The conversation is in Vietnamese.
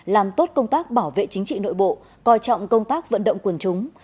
làm tốt công tác bảo vệ chính trị nội bộ coi trọng công tác vận động quần chúng